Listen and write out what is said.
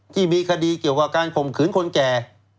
ที่มีคดีเกี่ยวกับการข่มขืนคนแก่